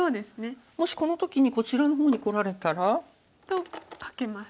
もしこの時にこちらの方にこられたら？とカケます。